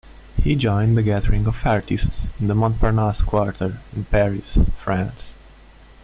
He joined the gathering of artists in the Montparnasse Quarter in Paris, France.